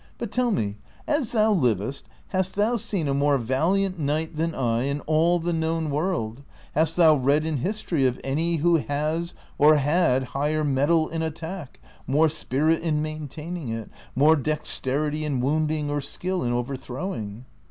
But tell me, as thou livest, hast thou seen a more valiant knight than I in all the known world ; hast thou read in history of any who has or had higher mettle in attack, more s})irit in maintaining it, more dexterity in wounding or skill in over throwing